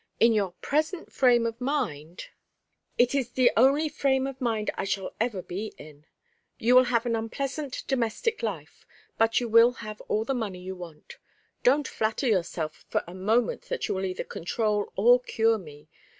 In your present frame of mind " "It is the only frame of mind I shall ever be in. You will have an unpleasant domestic life; but you will have all the money you want. Don't flatter yourself for a moment that you will either control or cure me.